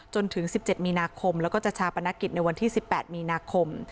จนถึงสิบเจ็ดมีนาคมแล้วก็จะชาปนกิจในวันที่สิบแปดมีนาคม